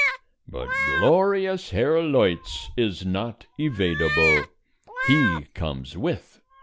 But glorious Herr Leutz is not evadable. He comes with.